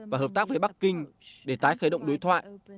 và hợp tác với bắc kinh để tái khởi động đối thoại